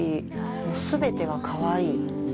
もう全てがかわいい。